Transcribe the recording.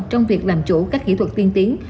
trong việc làm chủ các kỹ thuật tiên tiến